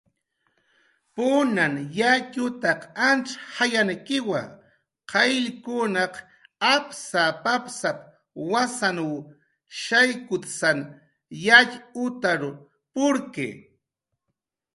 "Punan yatxutaq antz jayankiwa: qayllkunaq apsap"" apsap"" wasanw shaykutsan yatxutar purki."